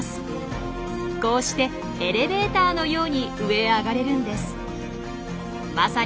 こうしてエレベーターのように上へ上がれるんです。